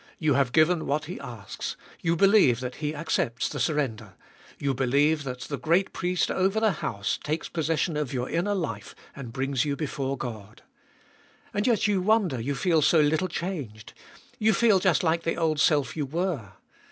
You have given what he asks. You believe that He accepts the surrender. You believe that the great Priest over the house takes possession of your inner life, and brings you before God. And yet you wonder you feel so little changed. You feel just like the old self you were.